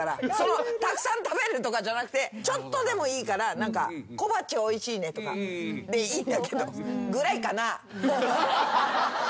たくさん食べるとかじゃなくてちょっとでもいいから小鉢おいしいねとかでいいんだけど。